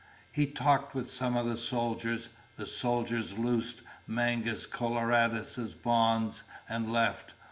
He talked with some of the soldiers. The soldiers loosed Mangus Coloradus' bonds and left.